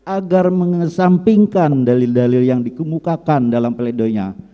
agar mengesampingkan dalil dalil yang dikemukakan dalam pledoinya